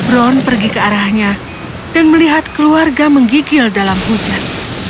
ron pergi ke arahnya dan melihat keluarga menggigil dalam hujan